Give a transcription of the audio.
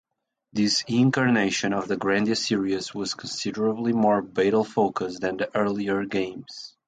This incarnation of the "Grandia" series was considerably more battle-focused than the earlier games.